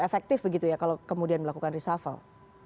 efektif begitu ya kalau kemudian melakukan reshuffle